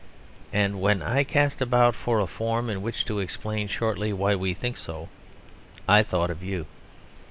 And when I cast about for a form in which to explain shortly why we think so, I thought of you.